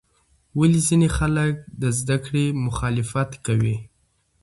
ولې ځینې خلک د زده کړې مخالفت کوي؟